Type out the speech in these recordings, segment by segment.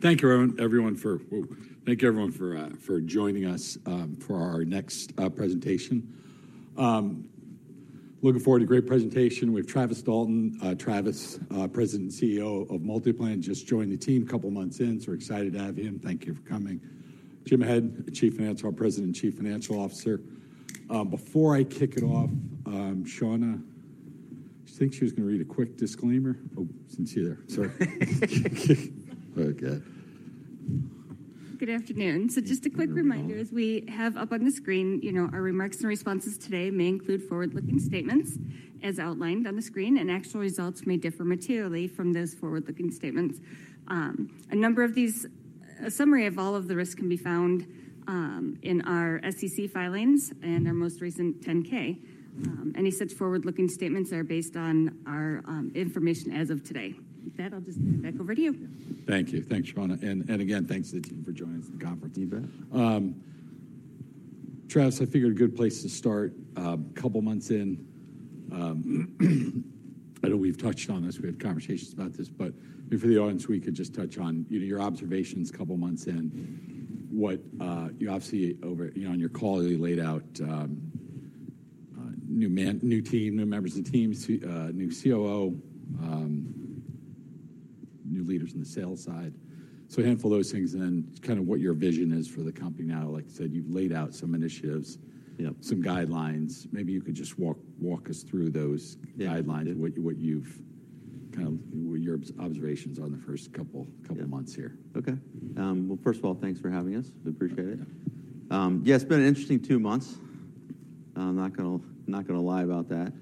Thank you, everyone, for joining us for our next presentation. Looking forward to a great presentation with Travis Dalton. Travis, President and CEO of MultiPlan, just joined the team a couple of months in, so we're excited to have him. Thank you for coming. Jim Head, President and Chief Financial Officer. Before I kick it off, Shawna, I think she was gonna read a quick disclaimer. Oh, didn't see you there. Sorry. Okay. Good afternoon. So just a quick reminder, as we have up on the screen, you know, our remarks and responses today may include forward-looking statements as outlined on the screen, and actual results may differ materially from those forward-looking statements. A summary of all of the risks can be found in our SEC filings and our most recent 10-K. Any such forward-looking statements are based on our information as of today. With that, I'll just hand it back over to you. Thank you. Thanks, Shawna. And again, thanks to the team for joining us at the conference, team. Travis, I figured a good place to start, a couple of months in, I know we've touched on this, we had conversations about this, but maybe for the audience, we could just touch on, you know, your observations a couple of months in. What, you obviously. You know, on your call, you laid out, new man, new team, new members of the team, new COO, new leaders in the sales side. So a handful of those things, and then kind of what your vision is for the company now. Like I said, you've laid out some initiatives. Yep. Some guidelines. Maybe you could just walk us through those. Yeah. Guidelines and what you've kind of, what your observations on the first couple months here? Yeah. Okay. Well, first of all, thanks for having us. We appreciate it. Yeah. Yeah, it's been an interesting two months. I'm not gonna, not gonna lie about that.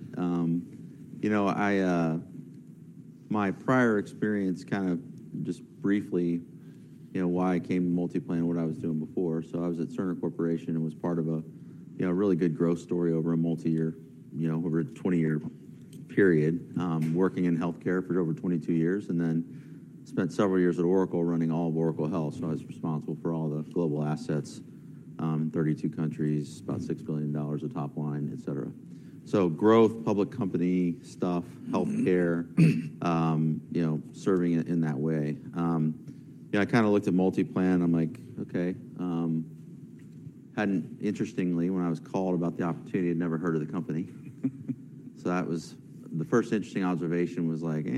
You know, I, my prior experience, kind of just briefly, you know, why I came to MultiPlan and what I was doing before. So I was at Cerner Corporation and was part of a, you know, really good growth story over a multi-year, you know, over a 20-year period, working in healthcare for over 22 years, and then spent several years at Oracle running all of Oracle Health. So I was responsible for all the global assets, in 32 countries, about $6 billion of top line, et cetera. So growth, public company stuff, healthcare- Mm-hmm. You know, serving in that way. Yeah, I kind of looked at MultiPlan. I'm like: Okay. Interestingly, when I was called about the opportunity, I'd never heard of the company. So that was, the first interesting observation was like, eh.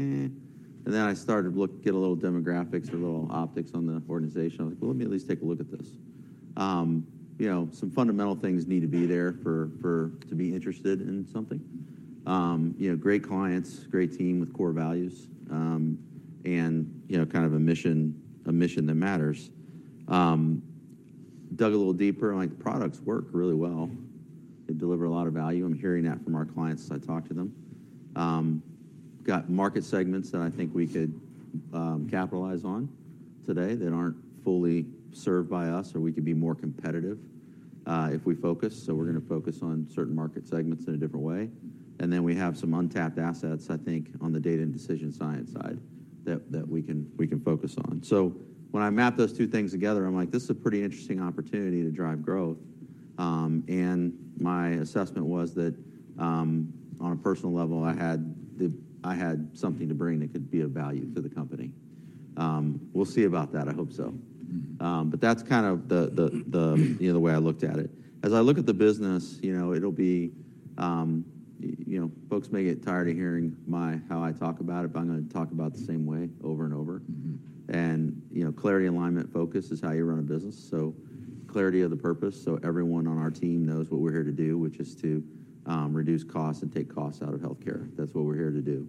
And then I started to look, get a little demographics or little optics on the organization. I was like: Well, let me at least take a look at this. You know, some fundamental things need to be there for to be interested in something. You know, great clients, great team with core values, and, you know, kind of a mission, a mission that matters. Dug a little deeper, and, like, the products work really well. They deliver a lot of value. I'm hearing that from our clients as I talk to them. Got market segments that I think we could capitalize on today that aren't fully served by us, or we could be more competitive if we focus. So we're gonna focus on certain market segments in a different way. And then we have some untapped assets, I think, on the data and decision science side that we can focus on. So when I map those two things together, I'm like: This is a pretty interesting opportunity to drive growth. And my assessment was that, on a personal level, I had something to bring that could be of value to the company. We'll see about that. I hope so. Mm-hmm. But that's kind of the, you know, the way I looked at it. As I look at the business, you know, it'll be, you know, folks may get tired of hearing my, how I talk about it, but I'm gonna talk about the same way over and over. Mm-hmm. You know, clarity, alignment, focus is how you run a business. Clarity of the purpose, so everyone on our team knows what we're here to do, which is to reduce costs and take costs out of healthcare. That's what we're here to do.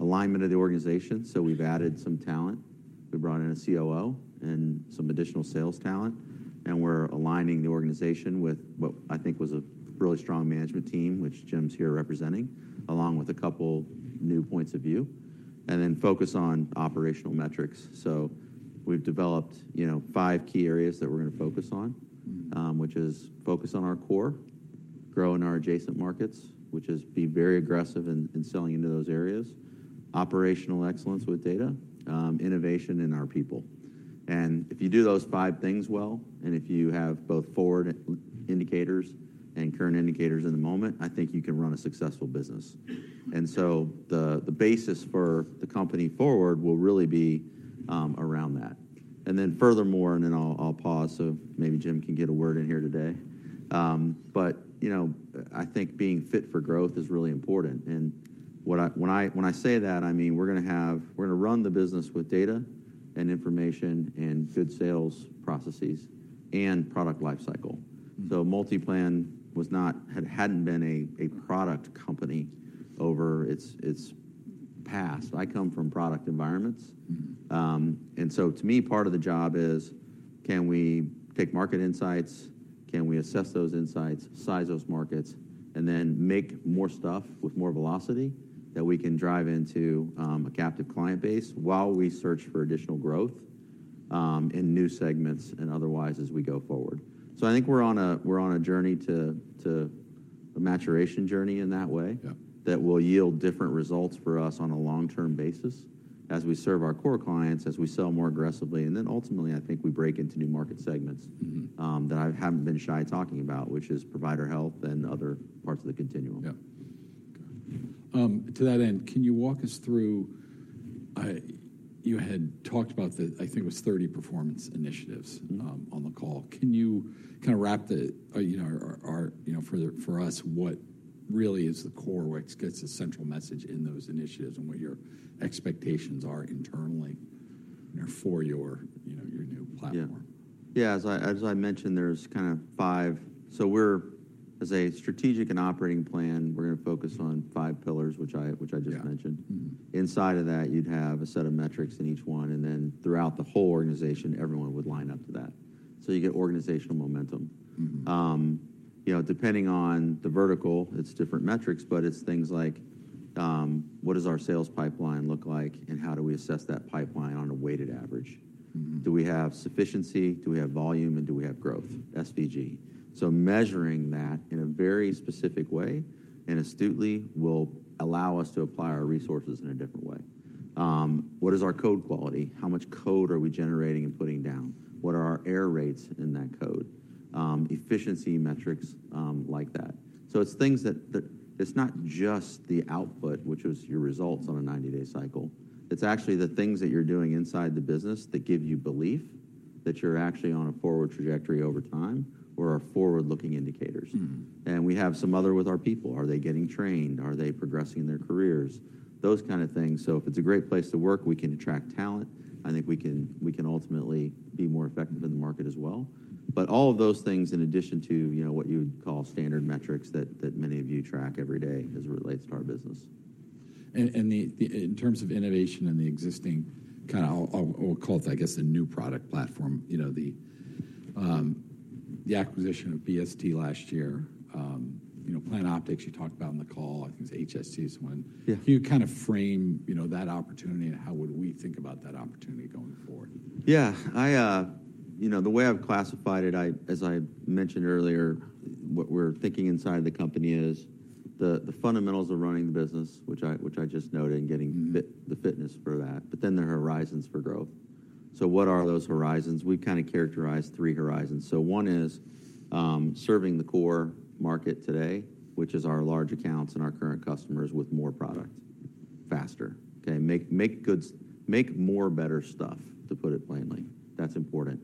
Alignment of the organization, so we've added some talent. We brought in a COO and some additional sales talent, and we're aligning the organization with what I think was a really strong management team, which Jim's here representing, along with a couple new points of view, and then focus on operational metrics. So we've developed, you know, five key areas that we're gonna focus on- Mm-hmm. Which is focus on our core, grow in our adjacent markets, which is be very aggressive in, in selling into those areas, operational excellence with data, innovation in our people. And if you do those five things well, and if you have both forward indicators and current indicators in the moment, I think you can run a successful business. And so the basis for the company forward will really be around that. And then furthermore, and then I'll pause, so maybe Jim can get a word in here today. But you know, I think being fit for growth is really important. And what I, when I, when I say that, I mean, we're gonna have, we're gonna run the business with data and information and good sales processes and product life cycle. Mm-hmm. MultiPlan was not, hadn't been a product company over its past. I come from product environments. Mm-hmm. And so to me, part of the job is: Can we take market insights? Can we assess those insights, size those markets, and then make more stuff with more velocity that we can drive into a captive client base while we search for additional growth in new segments and otherwise as we go forward? So I think we're on a journey to a maturation journey in that way. Yeah That will yield different results for us on a long-term basis as we serve our core clients, as we sell more aggressively, and then ultimately, I think we break into new market segments- Mm-hmm That I haven't been shy talking about, which is provider health and other parts of the continuum. Yeah, to that end, can you walk us through, you had talked about the, I think it was 30 performance initiatives- Mm-hmm. On the call. Can you kind of wrap the, you know, our, you know, for us, what really is the core, what's gets the central message in those initiatives, and what your expectations are internally for your, you know, your new platform? Yeah. Yeah, as I mentioned, there's kind of five. So, as a strategic and operating plan, we're gonna focus on five pillars, which I just mentioned. Yeah. Mm-hmm. Inside of that, you'd have a set of metrics in each one, and then throughout the whole organization, everyone would line up to that. So you get organizational momentum. Mm-hmm. You know, depending on the vertical, it's different metrics, but it's things like, what does our sales pipeline look like, and how do we assess that pipeline on a weighted average? Mm-hmm. Do we have sufficiency? Do we have volume? And do we have growth? SVG. So measuring that in a very specific way, and astutely, will allow us to apply our resources in a different way. What is our code quality? How much code are we generating and putting down? What are our error rates in that code? Efficiency metrics, like that. So it's things that. It's not just the output, which is your results on a 90-day cycle, it's actually the things that you're doing inside the business that give you belief that you're actually on a forward trajectory over time or are forward-looking indicators. Mm-hmm. We have some other with our people. Are they getting trained? Are they progressing in their careers? Those kind of things. So if it's a great place to work, we can attract talent. I think we can, we can ultimately be more effective in the market as well. But all of those things in addition to, you know, what you would call standard metrics that, that many of you track every day as it relates to our business. In terms of innovation and the existing kind of, we'll call it, I guess, the new product platform, you know, the acquisition of BST last year, you know, PlanOptix you talked about on the call, I think HST is one. Yeah. Can you kind of frame, you know, that opportunity and how would we think about that opportunity going forward? Yeah. I, you know, the way I've classified it, as I mentioned earlier, what we're thinking inside the company is the, the fundamentals of running the business, which I, which I just noted, and getting- Mm-hmm Fit, the fitness for that, but then the horizons for growth. So what are those horizons? We've kind of characterized three horizons. So one is, serving the core market today, which is our large accounts and our current customers, with more product, faster, okay? Make goods, make more better stuff, to put it plainly. That's important.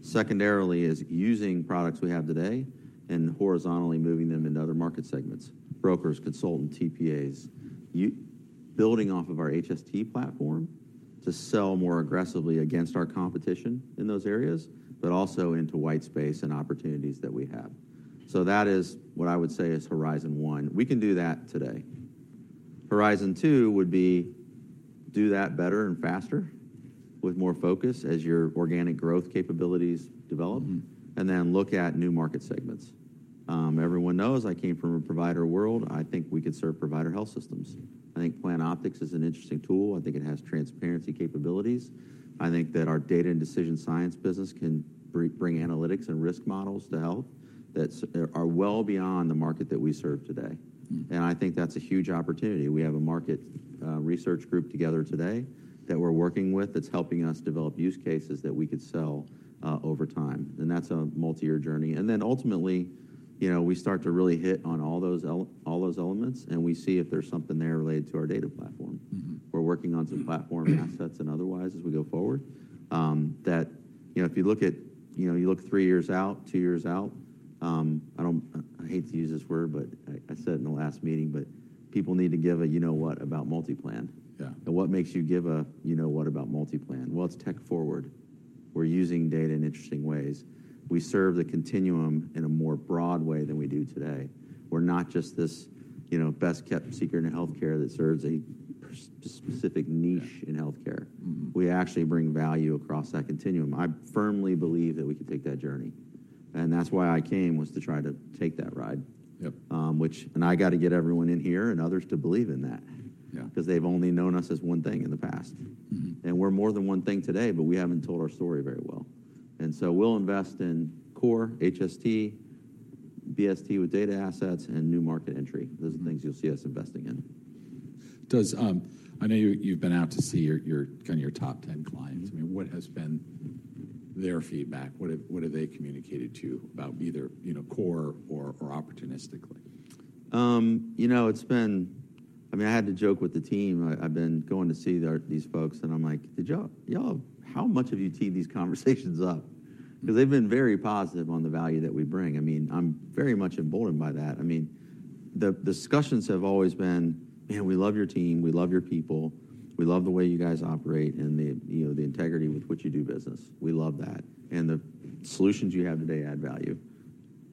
Secondarily, is using products we have today and horizontally moving them into other market segments: brokers, consultants, TPAs. Building off of our HST platform to sell more aggressively against our competition in those areas, but also into white space and opportunities that we have. So that is what I would say is horizon one. We can do that today. Horizon two would be, do that better and faster with more focus as your organic growth capabilities develop- Mm. And then look at new market segments. Everyone knows I came from a provider world. I think we could serve provider health systems. I think PlanOptix is an interesting tool. I think it has transparency capabilities. I think that our data and decision science business can bring analytics and risk models to health systems that are well beyond the market that we serve today. Mm. I think that's a huge opportunity. We have a market research group together today that we're working with, that's helping us develop use cases that we could sell over time, and that's a multi-year journey. Then ultimately, you know, we start to really hit on all those all those elements, and we see if there's something there related to our data platform. Mm-hmm. We're working on some platform assets and otherwise, as we go forward, that, you know, if you look at, you know, you look three years out, two years out. I hate to use this word, but I said it in the last meeting, but people need to give a you-know-what about MultiPlan. Yeah. And what makes you give a you-know-what about MultiPlan? Well, it's tech forward. We're using data in interesting ways. We serve the continuum in a more broad way than we do today. We're not just this, you know, best-kept secret in healthcare that serves a specific niche- Yeah In healthcare. Mm-hmm. We actually bring value across that continuum. I firmly believe that we can take that journey, and that's why I came, was to try to take that ride. Yep. I got to get everyone in here and others to believe in that- Yeah 'Cause they've only known us as one thing in the past. Mm-hmm. We're more than one thing today, but we haven't told our story very well. So we'll invest in core HST, BST with data assets, and new market entry. Those are the things you'll see us investing in. I know you, you've been out to see your, your kind of your top 10 clients. Mm-hmm. I mean, what has been their feedback? What have they communicated to you about either, you know, core or opportunistically? You know, it's been, I mean, I had to joke with the team. I've been going to see these folks, and I'm like: Did y'all how much have you teed these conversations up? Because they've been very positive on the value that we bring. I mean, I'm very much emboldened by that. I mean, the discussions have always been, "man, we love your team, we love your people, we love the way you guys operate, and the, you know, the integrity with which you do business. We love that, and the solutions you have today add value.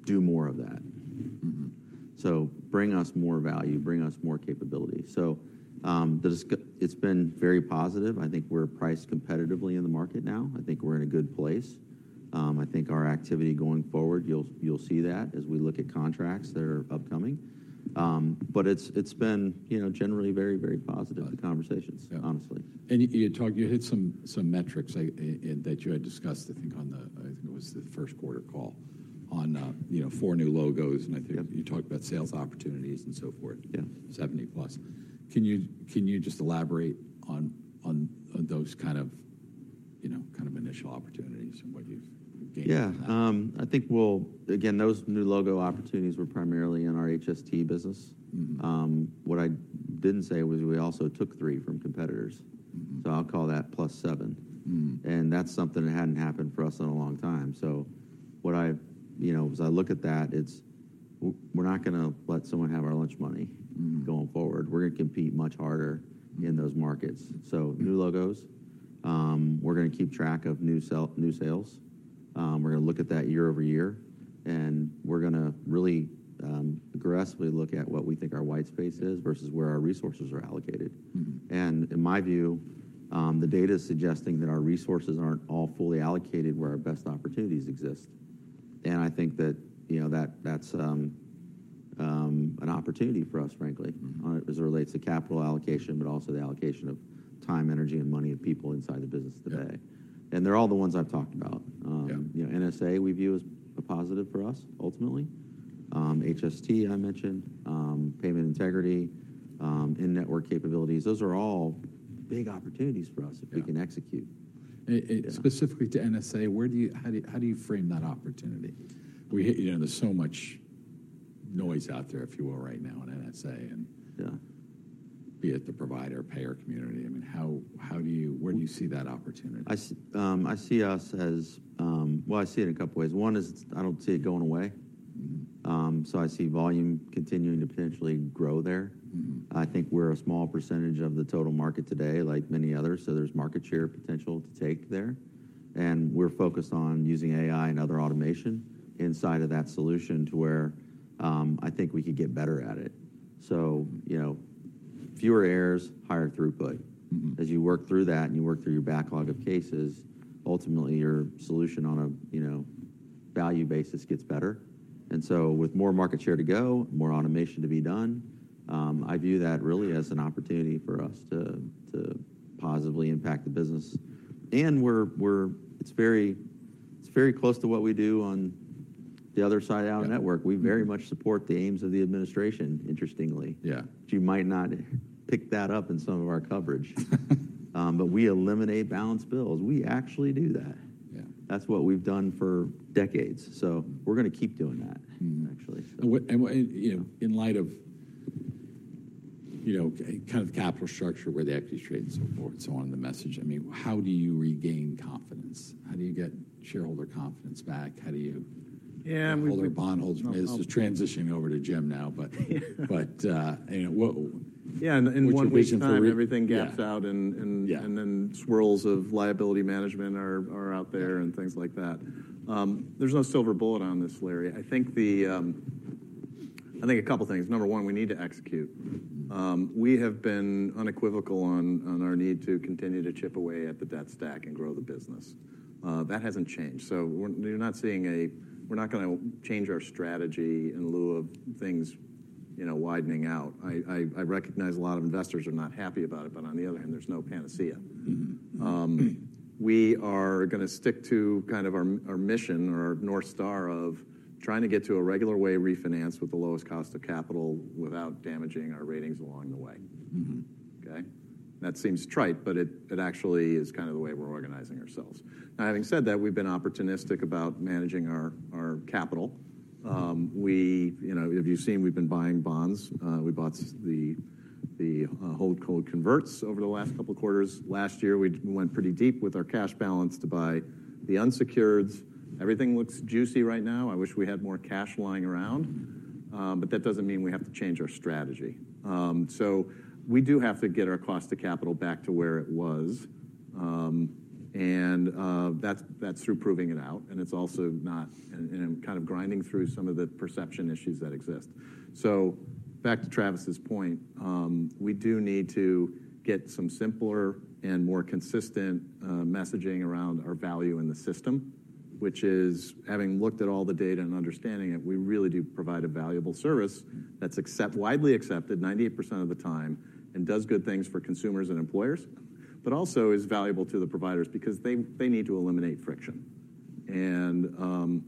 Do more of that. Mm-hmm. So bring us more value, bring us more capability." So, the discussion it's been very positive. I think we're priced competitively in the market now. I think we're in a good place. I think our activity going forward, you'll see that as we look at contracts that are upcoming. But it's been, you know, generally very, very positive, the conversations- Yeah Honestly. You talked, you hit some metrics that you had discussed, I think, on the first quarter call, you know, four new logos, and I think- Yeah You talked about sales opportunities and so forth. Yeah. 70+. Can you just elaborate on those kind of, you know, kind of initial opportunities and what you've gained? Yeah, I think we'll. Again, those new logo opportunities were primarily in our HST business. Mm-hmm. What I didn't say was we also took three from competitors. Mm-hmm. I'll call that +7. Mm. That's something that hadn't happened for us in a long time. So what I've, you know, as I look at that, it's we're not gonna let someone have our lunch money- Mm-hmm Going forward. We're gonna compete much harder in those markets. So new logos, we're gonna keep track of new sell, new sales. We're gonna look at that year over year, and we're gonna really, aggressively look at what we think our white space is versus where our resources are allocated. Mm-hmm. In my view, the data is suggesting that our resources aren't all fully allocated where our best opportunities exist. And I think that, you know, that's an opportunity for us, frankly- Mm-hmm As it relates to capital allocation, but also the allocation of time, energy, and money, and people inside the business today. Yeah. They're all the ones I've talked about. Yeah You know, NSA, we view as a positive for us, ultimately. HST, I mentioned, payment integrity, in-network capabilities, those are all big opportunities for us- Yeah If we can execute. A- a- Yeah Specifically to NSA, how do you frame that opportunity? We hear, you know, there's so much noise out there, if you will, right now in NSA and- Yeah Be it the provider, payer, community, I mean, how do you, where do you see that opportunity? I see, I see us as, well, I see it in a couple of ways. One is, I don't see it going away. Mm-hmm. So, I see volume continuing to potentially grow there. Mm-hmm. I think we're a small percentage of the total market today, like many others, so there's market share potential to take there. And we're focused on using AI and other automation inside of that solution to where, I think we could get better at it. So, you know, fewer errors, higher throughput. Mm-hmm. As you work through that, and you work through your backlog of cases, ultimately, your solution on a, you know, value basis gets better. And so with more market share to go, more automation to be done, I view that really as an opportunity for us to positively impact the business. And we're, it's very close to what we do on the other side of our network. Yeah. We very much support the aims of the administration, interestingly. Yeah. You might not pick that up in some of our coverage. We eliminate balance bills. We actually do that. Yeah. That's what we've done for decades, so we're gonna keep doing that. Mm-hmm Actually. And what, you know, in light of, you know, kind of the capital structure, where the equity trade and so forth, and so on, the message, I mean, how do you regain confidence? How do you get shareholder confidence back? How do you- Yeah, we- Holder bondholders. This is transitioning over to Jim now, but- Yeah. You know, what- Yeah, in one week's time- What's your vision for re-? Everything gapped out and Yeah And then swirls of liability management are out there and things like that. There's no silver bullet on this, Larry. I think the, I think a couple of things. Number one, we need to execute. We have been unequivocal on our need to continue to chip away at the debt stack and grow the business. That hasn't changed. So we're not seeing a. We're not gonna change our strategy in lieu of things, you know, widening out. I recognize a lot of investors are not happy about it, but on the other hand, there's no panacea. Mm-hmm. We are gonna stick to kind of our mission or our North Star of trying to get to a regular way refinance with the lowest cost of capital without damaging our ratings along the way. Mm-hmm. Okay? That seems trite, but it, it actually is kind of the way we're organizing ourselves. Now, having said that, we've been opportunistic about managing our capital. We, you know, if you've seen, we've been buying bonds. We bought the HoldCo converts over the last couple of quarters. Last year, we went pretty deep with our cash balance to buy the unsecureds. Everything looks juicy right now. I wish we had more cash lying around, but that doesn't mean we have to change our strategy. So we do have to get our cost of capital back to where it was, and that's through proving it out, and it's also not, I'm kind of grinding through some of the perception issues that exist. So back to Travis's point, we do need to get some simpler and more consistent messaging around our value in the system, which is, having looked at all the data and understanding it, we really do provide a valuable service that's widely accepted 98% of the time and does good things for consumers and employers, but also is valuable to the providers because they need to eliminate friction. And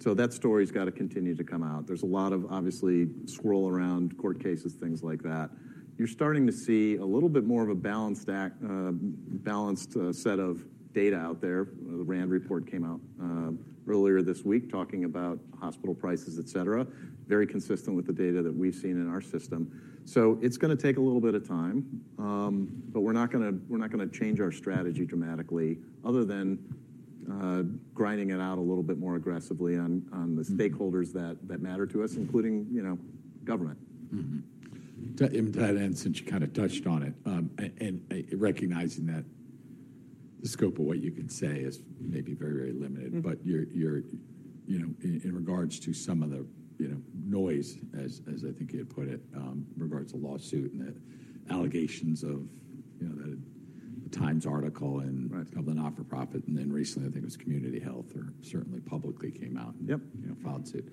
so that story's got to continue to come out. There's a lot of, obviously, swirl around court cases, things like that. You're starting to see a little bit more of a balanced act, balanced set of data out there. The RAND Report came out earlier this week talking about hospital prices, et cetera. Very consistent with the data that we've seen in our system. So it's gonna take a little bit of time, but we're not gonna change our strategy dramatically, other than grinding it out a little bit more aggressively on the stakeholders that matter to us, including, you know, government. Mm-hmm. And since you kind of touched on it, and recognizing that the scope of what you can say is maybe very, very limited- Mm-hmm But you're, you know, in regards to some of the, you know, noise as I think you put it, in regards to lawsuit and the allegations of, you know, that Times article and- Right Of the not-for-profit, and then recently, I think it was Community Health, or certainly publicly came out- Yep You know, filed suit.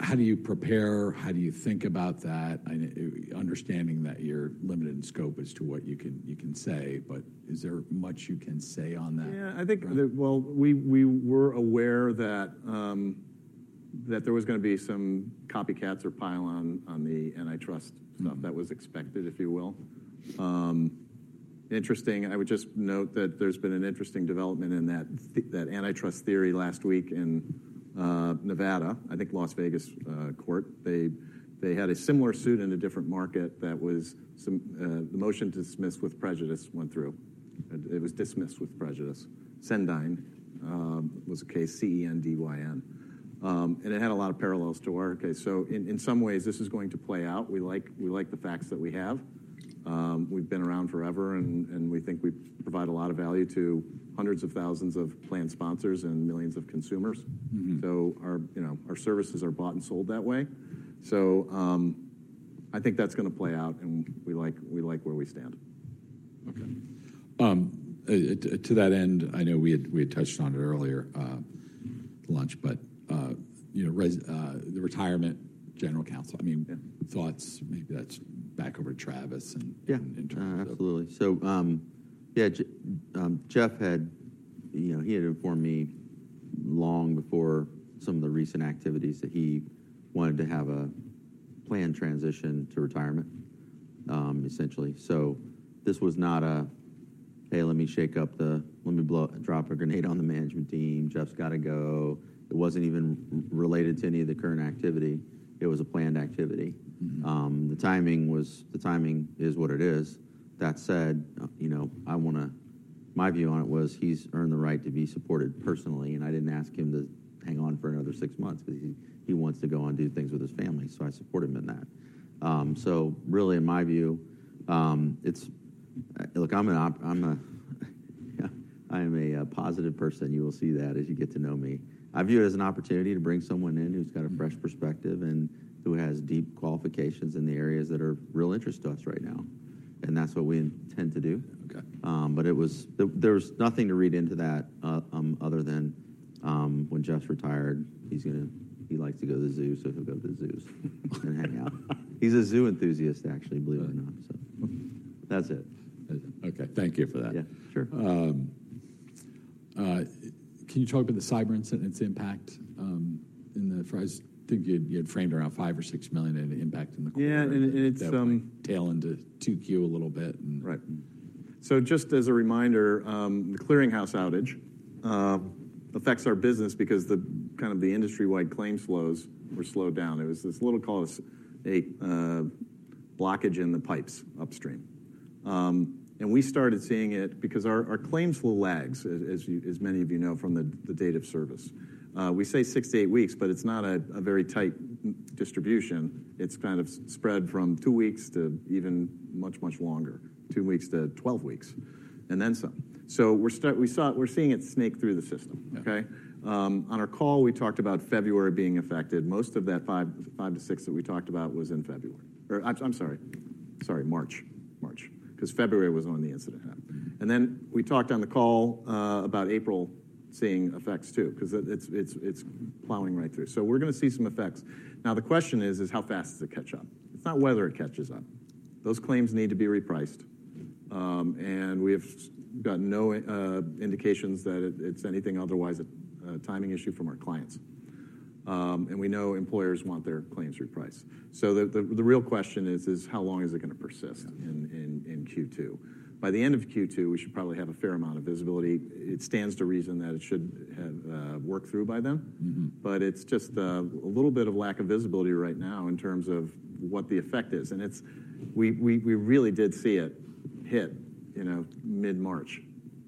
How do you prepare? How do you think about that? I know. Understanding that you're limited in scope as to what you can, you can say, but is there much you can say on that? Yeah, I think- Right Well, we were aware that there was gonna be some copycats or pile on, on the antitrust stuff. That was expected, if you will. Interesting, I would just note that there's been an interesting development in that that antitrust theory last week in Nevada, I think Las Vegas court. They had a similar suit in a different market that was some the motion to dismiss with prejudice went through. It was dismissed with prejudice. Cendyn was a case, C-E-N-D-Y-N. And it had a lot of parallels to our case. So in some ways, this is going to play out. We like the facts that we have. We've been around forever, and we think we provide a lot of value to hundreds of thousands of plan sponsors and millions of consumers. Mm-hmm. So, our, you know, our services are bought and sold that way. So, I think that's gonna play out, and we like, we like where we stand. Okay. To that end, I know we had touched on it earlier, lunch, but, you know, the retirement general counsel, I mean- Yeah Thoughts, maybe that's back over to Travis and- Yeah. In terms of- Absolutely. So, yeah, Jeff had, you know, he had informed me long before some of the recent activities, that he wanted to have a planned transition to retirement, essentially. So this was not a, "hey, let me shake up the, let me blow, drop a grenade on the management team. Jeff's got to go." It wasn't even related to any of the current activity. It was a planned activity. Mm-hmm. The timing is what it is. That said, you know, my view on it was, he's earned the right to be supported personally, and I didn't ask him to hang on for another six months because he wants to go and do things with his family, so I support him in that. So really, in my view, it's, look, I'm a positive person. You will see that as you get to know me. I view it as an opportunity to bring someone in who's got- Mm A fresh perspective and who has deep qualifications in the areas that are of real interest to us right now, and that's what we intend to do. Okay. But there's nothing to read into that, other than when Jeff's retired, he's gonna, he likes to go to the zoo, so he'll go to the zoos and hang out. He's a zoo enthusiast, actually, believe it or not, so that's it. Okay, thank you for that. Yeah, sure. Can you talk about the cyber incident, its impact, in the, I think you, you had framed around $5 million-$6 million of the impact in the quarter- Yeah, it's Tail into 2Q a little bit and- Right. So just as a reminder, the clearinghouse outage affects our business because the kind of the industry-wide claims flows were slowed down. There was this little call, a blockage in the pipes upstream. And we started seeing it because our claims flow lags, as you, as many of you know, from the date of service. We say 6-8 weeks, but it's not a very tight distribution. It's kind of spread from 2 weeks to even much longer, 2-12 weeks, and then some. So we're seeing it snake through the system. Yeah. Okay? On our call, we talked about February being affected. Most of that $5-$6 that we talked about was in February. Or I'm sorry. Sorry, March, 'cause February was when the incident happened. And then we talked on the call about April seeing effects, too, 'cause it's plowing right through. So we're gonna see some effects. Now, the question is how fast does it catch up? It's not whether it catches up. Those claims need to be repriced. And we've got no indications that it's anything otherwise, a timing issue from our clients. And we know employers want their claims repriced. So the real question is how long is it gonna persist- Yeah In Q2? By the end of Q2, we should probably have a fair amount of visibility. It stands to reason that it should have worked through by then. Mm-hmm. But it's just a little bit of lack of visibility right now in terms of what the effect is. And it's, we really did see it hit, you know, mid-March,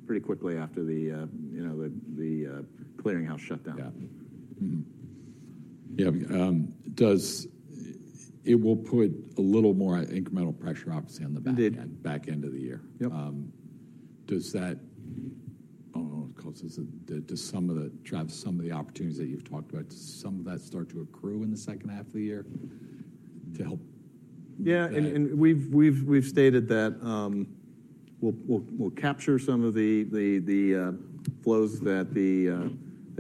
pretty quickly after the, you know, the clearinghouse shutdown. Yeah. Mm-hmm. Yeah, it will put a little more incremental pressure, obviously, on the back- It did Back end of the year. Yep. Does that cause some of the opportunities that you've talked about, Travis, does some of that start to accrue in the second half of the year to help? Yeah, and we've stated that we'll capture some of the flows that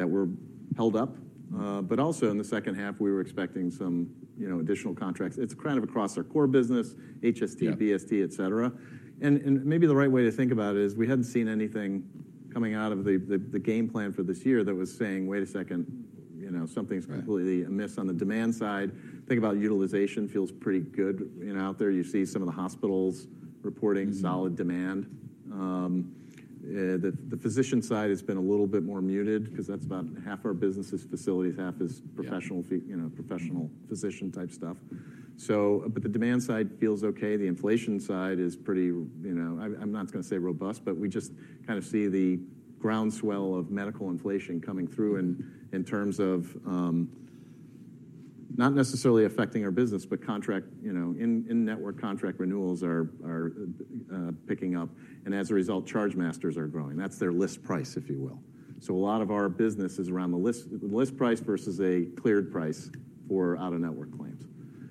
were held up. Mm-hmm. But also in the second half, we were expecting some, you know, additional contracts. It's kind of across our core business, HST- Yeah BST, et cetera. And maybe the right way to think about it is, we hadn't seen anything coming out of the game plan for this year that was saying, "wait a second, you know, something's- Right Completely amiss on the demand side." Think about utilization. Feels pretty good. You know, out there, you see some of the hospitals reporting- Mm Solid demand. The physician side has been a little bit more muted 'cause that's about half our business is facilities, half is- Yeah Professional fee, you know, professional physician-type stuff. But the demand side feels okay. The inflation side is pretty, you know. I'm not gonna say robust, but we just kind of see the groundswell of medical inflation coming through in terms of not necessarily affecting our business, but contract, you know, in-network contract renewals are picking up, and as a result, Chargemasters are growing. That's their list price, if you will. So a lot of our business is around the list, the list price versus a cleared price for out-of-network claims.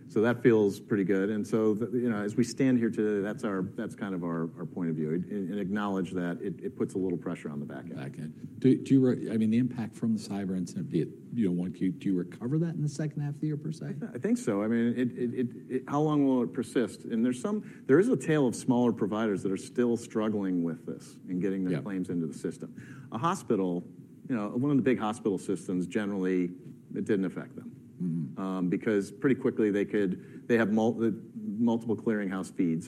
So that feels pretty good, and so the, you know, as we stand here today, that's our-- that's kind of our point of view, and acknowledge that it puts a little pressure on the back end. Back end. I mean, the impact from the cyber incident, do you, one, do you recover that in the second half of the year, per se? I think so. I mean, how long will it persist? And there is a tale of smaller providers that are still struggling with this and getting- Yeah Their claims into the system. A hospital, you know, one of the big hospital systems, generally, it didn't affect them. Mm-hmm. Because pretty quickly they could, they have multiple clearinghouse feeds.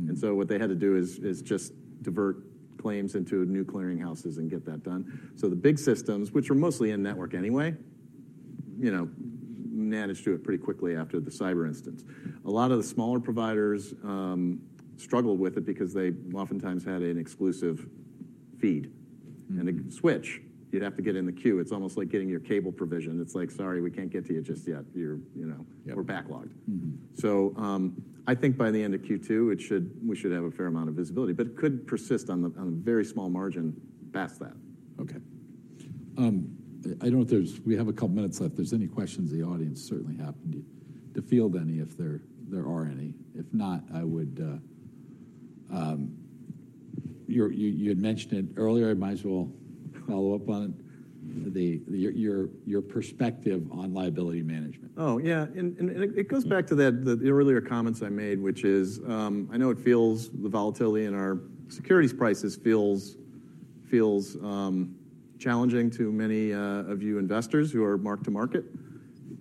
Mm. And so what they had to do is just divert claims into new clearinghouses and get that done. So the big systems, which are mostly in-network anyway, you know, managed to do it pretty quickly after the cyber incident. A lot of the smaller providers struggled with it because they oftentimes had an exclusive feed. Mm. And to switch, you'd have to get in the queue. It's almost like getting your cable provision. It's like, "sorry, we can't get to you just yet. You're, you know- Yeah. We're backlogged. Mm-hmm. I think by the end of Q2, we should have a fair amount of visibility, but it could persist on a very small margin past that. Okay. I don't know if there's, we have a couple minutes left. If there's any questions, the audience certainly happy to field any, if there are any. If not, I would, you had mentioned it earlier, I might as well follow up on it, your perspective on liability management. Oh, yeah, it goes back to that, the earlier comments I made, which is, I know it feels the volatility in our securities prices feels challenging to many of you investors who are mark to market.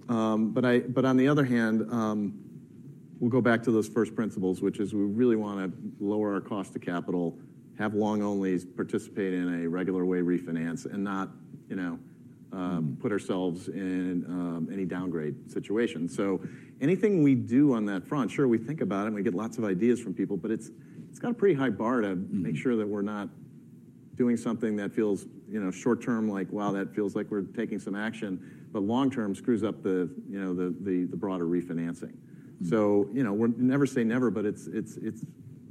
But on the other hand, we'll go back to those first principles, which is we really wanna lower our cost to capital, have long only participate in a regular way refinance and not, you know, put ourselves in any downgrade situation. So anything we do on that front, sure, we think about it, and we get lots of ideas from people, but it's got a pretty high bar to- Mm Make sure that we're not doing something that feels, you know, short term, like, wow, that feels like we're taking some action, but long term screws up the, you know, the broader refinancing. Mm. So, you know, we're never say never, but it's,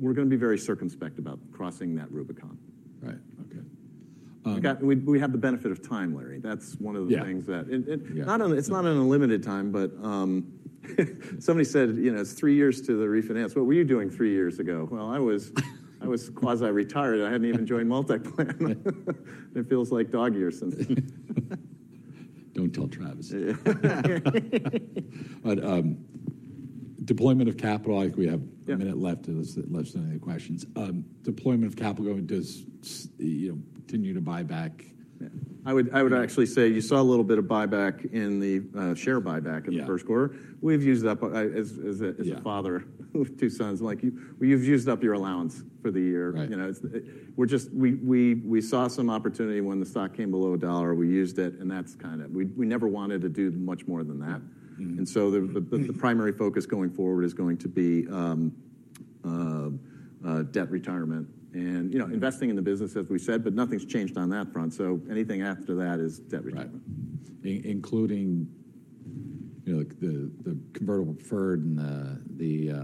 we're gonna be very circumspect about crossing that Rubicon. Right. Okay. We have the benefit of time, Larry. Yeah. That's one of the things that- Yeah. It's not an unlimited time, but somebody said, you know, "it's three years to the refinance. What were you doing three years ago?" Well, I was quasi-retired. I hadn't even joined MultiPlan. Right. It feels like dog years or something. Don't tell Travis. Yeah. But, deployment of capital, I think we have- Yeah A minute left, less than any questions. Deployment of capital, does, you know, continue to buy back? Yeah, I would, I would actually say you saw a little bit of buyback in the share buyback- Yeah In the first quarter. We've used up, as a Yeah Father of two sons, like you, you've used up your allowance for the year. Right. You know, we just saw some opportunity when the stock came below a dollar, we used it, and that's kind of, we never wanted to do much more than that. Mm-hmm. The primary focus going forward is going to be debt retirement and, you know, investing in the business, as we said, but nothing's changed on that front. Anything after that is debt retirement. Right. Including, you know, like the convertible preferred and the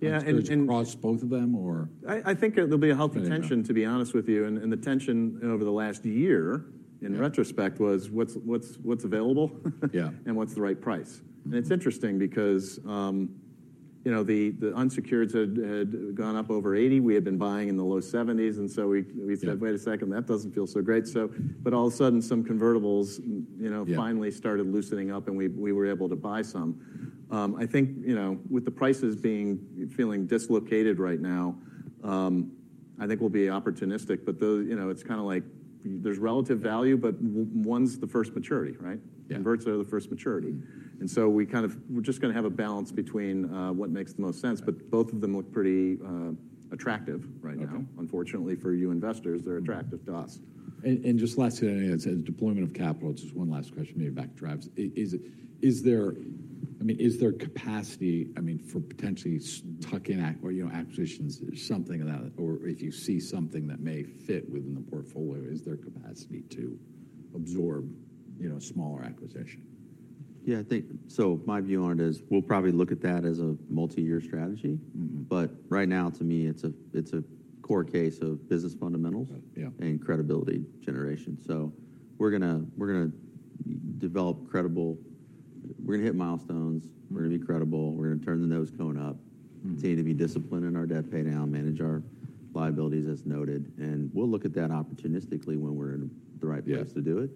Yeah, and... Across both of them or? I think there'll be a healthy tension, to be honest with you. Okay. And the tension over the last year- Yeah In retrospect, was what's available? Yeah. What's the right price? Mm. It's interesting because, you know, the unsecureds had gone up over 80. We had been buying in the low 70s, and so we- Yeah We said, "wait a second, that doesn't feel so great." So, but all of a sudden, some convertibles, you know- Yeah Finally started loosening up, and we were able to buy some. I think, you know, with the prices being, feeling dislocated right now, I think we'll be opportunistic, but the, you know, it's kinda like there's relative value, but one's the first maturity, right? Yeah. Converts are the first maturity. So we kind of, we're just gonna have a balance between what makes the most sense- Right But both of them look pretty attractive right now. Okay. Unfortunately, for you investors, they're attractive to us. Just lastly, as deployment of capital, just one last question, maybe back to Travis. Is there, I mean, is there capacity, I mean, for potentially tuck-in acquisitions, or, you know, something of that, or if you see something that may fit within the portfolio, is there capacity to absorb, you know, smaller acquisition? Yeah, I think, so my view on it is, we'll probably look at that as a multi-year strategy. Mm-hmm. Right now, to me, it's a core case of business fundamentals- Yeah. Yeah And credibility generation. So we're gonna develop credible. We're gonna hit milestones. Mm. We're gonna be credible. We're gonna turn the nose cone up- Mm Continue to be disciplined in our debt paydown, manage our liabilities, as noted, and we'll look at that opportunistically when we're in the right place to do it.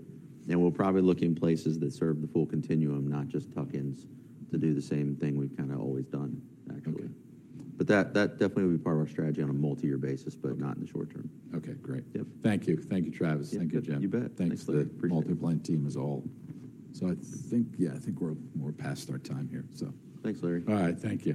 Yeah. We'll probably look in places that serve the full continuum, not just tuck-ins, to do the same thing we've kinda always done, actually. Okay. But that definitely will be part of our strategy on a multi-year basis, but not in the short term. Okay, great. Yep. Thank you. Thank you, Travis. Yeah. Thank you, Jim. You bet. Thanks to the- Appreciate it MultiPlan team as all. So I think, yeah, I think we're, we're past our time here, so. Thanks, Larry. All right. Thank you.